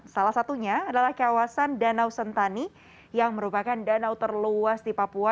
salah satunya adalah kawasan danau sentani yang merupakan danau terluas di papua